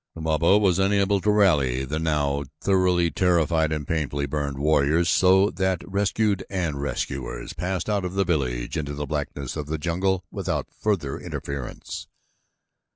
Numabo was unable to rally the now thoroughly terrified and painfully burned warriors so that rescued and rescuers passed out of the village into the blackness of the jungle without further interference.